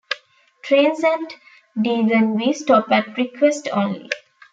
Trains at Deganwy stop at request only.